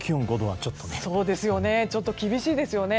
ちょっと厳しいですよね。